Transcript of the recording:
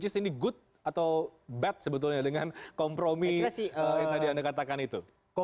which is indeed good atau bad sebetulnya dengan kompromi yang tadi anda katakan itu